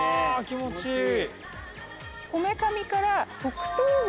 気持ちいい。